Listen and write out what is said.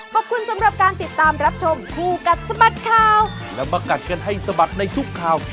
ขอบคุณสำหรับการติดตามรับชมคู่กัดสะบัดข่าวแล้วมากัดกันให้สะบัดในทุกข่าว